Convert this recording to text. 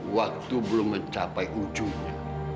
waktu belum mencapai ujungnya